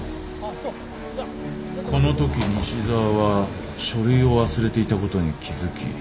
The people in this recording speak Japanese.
このとき西沢は書類を忘れていたことに気付き